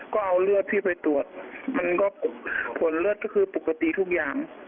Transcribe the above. ก็เอาเลือดพี่ไปตรวจมันก็ผลเลือดก็คือปกติทุกอย่าง